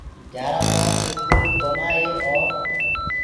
گھِيآرآ ڪوم ڏرِپوليٚ ڪونآئي اور